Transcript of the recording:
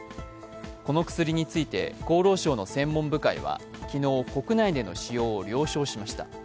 この薬について厚労省の専門部会は昨日、国内での使用を了承しました。